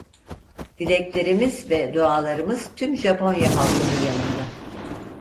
Dileklerimiz ve dualarımız tüm Japonya halkının yanında.